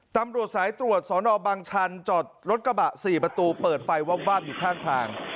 ตำรวจสายตรวจสอนอบังชันจอดรถกระบะ๔ประตูเปิดไฟวาบอยู่ข้างทาง